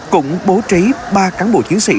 cũng bố trí ba cán bộ chiến sĩ